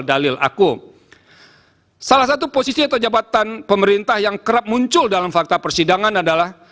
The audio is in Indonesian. dalil aku salah satu posisi atau jabatan pemerintah yang kerap muncul dalam fakta persidangan adalah